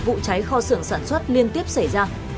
vụ cháy kho sưởng sản xuất liên tiếp xảy ra